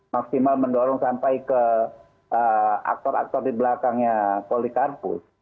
maksimal mendorong sampai ke aktor aktor di belakangnya polikarpus